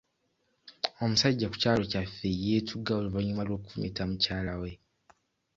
Omusajja ku kyalo kyaffe yeetuga oluvannyuma lw'okufumita mukyala we.